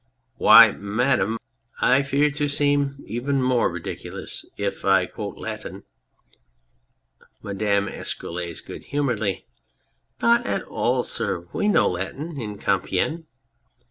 Why, Madame, I fear to seem even more ridiculous if I quote Latin. MADAME D'ESCUROLLES (good humouredly}. Not at all, sir ! We know Latin in Compiegne